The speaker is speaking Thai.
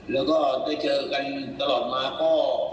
แล้วก็ได้เจอกันตลอดมาก็